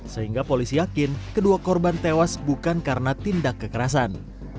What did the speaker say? sehingga polisi yakin kedua korban tewas bukan karena tindak kekerasan